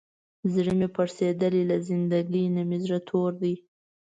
زړه مې پړسېدلی، له زندګۍ نه مې زړه تور دی.